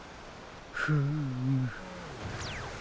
フーム。